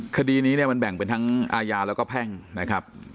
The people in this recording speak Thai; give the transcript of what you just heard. คดีนี้เนี่ยมันแบ่งเป็นทั้งอาญาแล้วก็แพ่งนะครับ